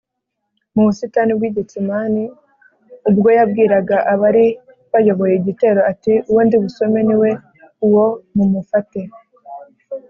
mu busitani bw’i getsemani ubwo yabwiraga abari bayoboye igitero ati, “uwo ndibusome, ni we uwo mumufate